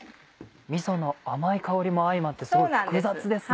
みその甘い香りも相まってすごい複雑ですね。